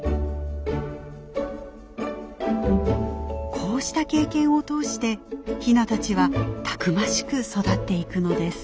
こうした経験を通してヒナたちはたくましく育っていくのです。